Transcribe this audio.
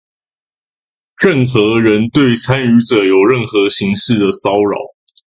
任何人對參與者有任何形式的騷擾